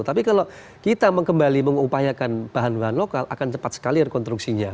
tapi kalau kita kembali mengupayakan bahan bahan lokal akan cepat sekali rekonstruksinya